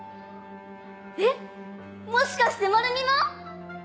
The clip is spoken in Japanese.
えっもしかしてまるみも？